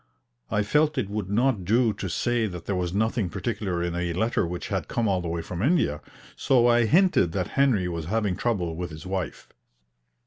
I felt it would not do to say that there was nothing particular in a letter which had come all the way from India, so I hinted that Henry was having trouble with his wife.